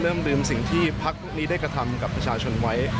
เริ่มลืมสิ่งที่พักพวกนี้ได้กระทำกับประชาชนไว้